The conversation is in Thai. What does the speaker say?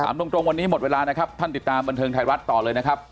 ตรงวันนี้หมดเวลานะครับท่านติดตามบันเทิงไทยรัฐต่อเลยนะครับ